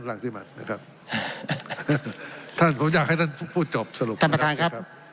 หลังที่มันนะครับท่านผมอยากให้ท่านพูดจบสรุปท่านประธานครับครับ